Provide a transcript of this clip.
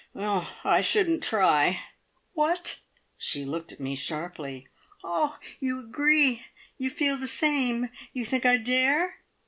"I shouldn't try!" "What?" She looked at me sharply. "Ah! You agree? You feel the same? You think I dare?"